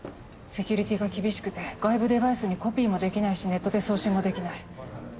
セキュリティーが厳しくて外部デバイスにコピーもできないしネットで送信もできない。